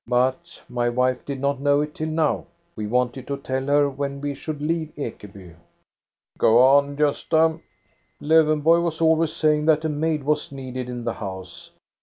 But my wife did not know it till now. We wanted to tell her when we should leave Ekeby." " Go on, Gosta." "Lowenborg was always saying that a maid was needed in the house.